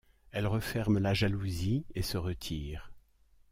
Elle referme la jalousie et se retire.